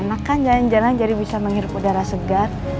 anak kan jalan jalan jadi bisa menghirup udara segar